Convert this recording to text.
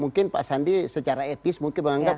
mungkin pak sandi secara etis mungkin menganggap